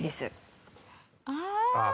ああ。